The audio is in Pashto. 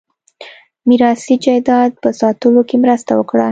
میراثي جایداد په ساتلو کې مرسته وکړه.